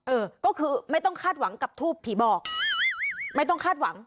เออก็คือไม่ต้องคาดหวังกับทูบผีบอกไม่ต้องคาดหวัง